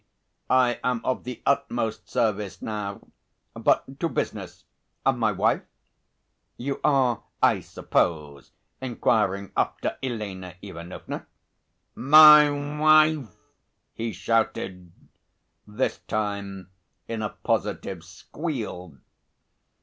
I am of the utmost service now. But to business. My wife?" "You are, I suppose, inquiring after Elena Ivanovna?" "My wife?" he shouted, this time in a positive squeal.